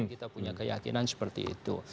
kita punya keyakinan seperti itu